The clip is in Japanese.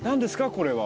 これは。